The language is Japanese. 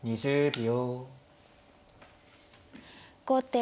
２０秒。